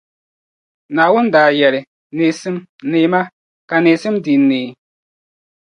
Naawuni daa yɛli, “Neesim, neema!” Ka neesim dii neei.